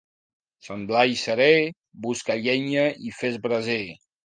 Sant Blai serè, busca llenya i fes braser.